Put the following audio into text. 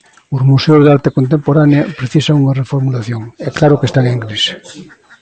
Os museos de arte contemporánea precisan unha reformulación, e claro que están en crise.